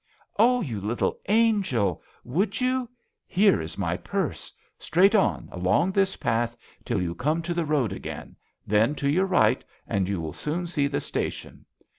" Oh, you little angel ! Would you? Here is my purse. Straight on, along this path till you come to the road again ; then to your right, and you will soon see the station.